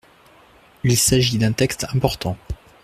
Il s’agit d’un texte important.